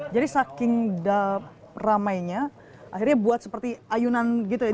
jadi saking ramainya akhirnya buat seperti ayunan gitu ya